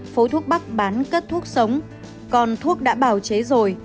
phố thuốc bắc bán cất thuốc sống còn thuốc đã bào chế rồi